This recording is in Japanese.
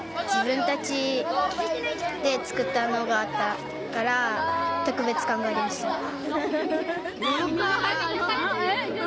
自分たちで作ったのがあったから特別感がありました。